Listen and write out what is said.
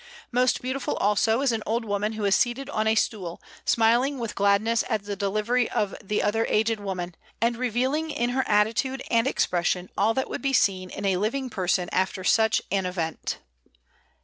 Most beautiful, also, is an old woman who is seated on a stool, smiling with gladness at the delivery of the other aged woman, and revealing in her attitude and expression all that would be seen in a living person after such an event.